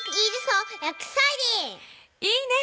いいね！